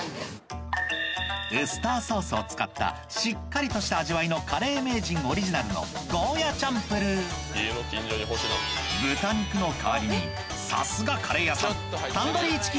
ウスターソースを使ったしっかりとした味わいのカレー名人オリジナルの豚肉の代わりにさすがカレー屋さん